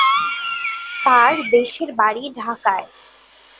তার দেশের বাড়ি ঢাকায়।